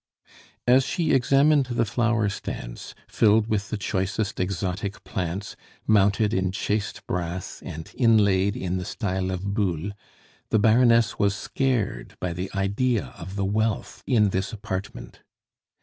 As she examined the flower stands, filled with the choicest exotic plants, mounted in chased brass and inlaid in the style of Boulle, the Baroness was scared by the idea of the wealth in this apartment.